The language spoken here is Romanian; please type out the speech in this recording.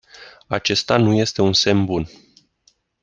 Acesta nu este un semn bun.